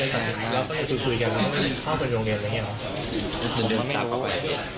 มันก็เลยตัดสินแล้วแล้วก็เลยคุยกันแล้วมันมีภาพเป็นโรงเรียนแล้วอย่างนี้หรอ